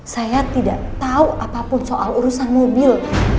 saya tidak tahu apapun soal urusan mobil